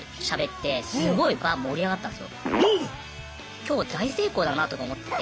今日大成功だなとか思ってて。